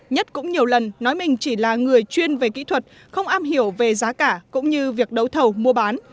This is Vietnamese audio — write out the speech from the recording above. nhất cũng nhiều lần nói mình chỉ là người chuyên về kỹ thuật không am hiểu về giá cả cũng như việc đấu thầu mua bán